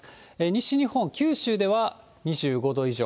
西日本、九州では２５度以上。